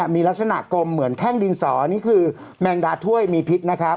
มีลักษณะกลมเหมือนแท่งดินสอนี่คือแมงดาถ้วยมีพิษนะครับ